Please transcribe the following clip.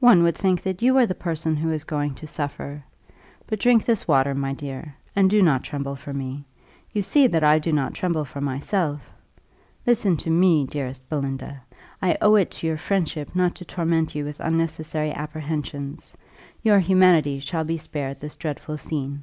"One would think that you were the person that was going to suffer. But drink this water, my dear, and do not tremble for me; you see that I do not tremble for myself. Listen to me, dearest Belinda! I owe it to your friendship not to torment you with unnecessary apprehensions. Your humanity shall be spared this dreadful scene."